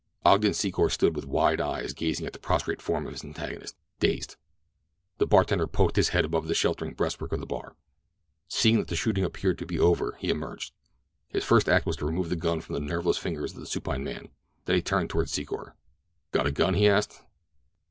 Ogden Secor stood with wide eyes gazing at the prostrate form of his antagonist—dazed. The bartender poked his head above the sheltering breastwork of the bar. Seeing that the shooting appeared to be over he emerged. His first act was to remove the gun from the nerveless fingers of the supine man. Then he turned toward Secor. "Got a gun?" he asked.